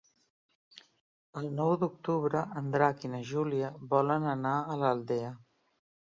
El nou d'octubre en Drac i na Júlia volen anar a l'Aldea.